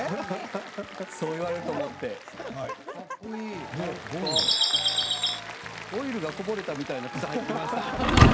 そう言われると思ってオイルがこぼれたみたいな靴を履いてきました。